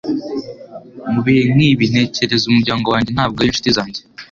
Mu bihe nk'ibi, ntekereza umuryango wanjye, ntabwo ari inshuti zanjye.